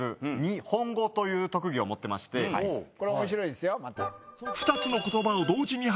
これ面白いですよ。